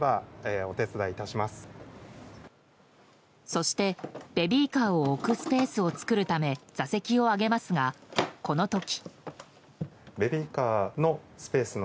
そして、ベビーカーを置くスペースを作るために座席を上げますが、この時。